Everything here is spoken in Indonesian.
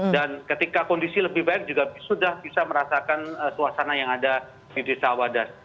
dan ketika kondisi lebih baik juga sudah bisa merasakan suasana yang ada di desa wadas